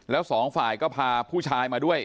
แล้วสองฝ่ายก็พาผู้ชายมาด้วย